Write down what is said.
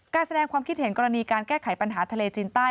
การแสดงความคิดเห็นกรณีการแก้ไขปัญหาทะเลจีนใต้